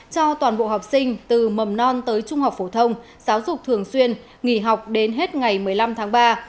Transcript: cho toàn bộ học sinh từ mầm non tới trung học phổ thông giáo dục thường xuyên nghỉ học đến hết ngày một mươi năm tháng ba